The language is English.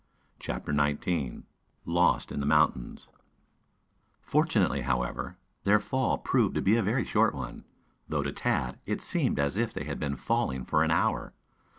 CHAPTER XIX LOST IN THE MOUNTAINS Fortunately, however, their fall proved to be a very short one, though to Tad it seemed as if they had been falling for an hour.